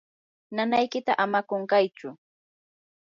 nanaykita ama qunqaychu.